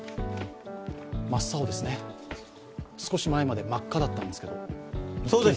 真っ青ですね、少し前まで真っ赤だったんですけど。